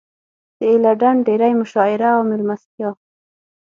د اله ډنډ ډېرۍ مشاعره او مېلمستیا.